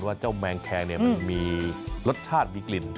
เจ้าแมงแคงมันมีรสชาติมีกลิ่น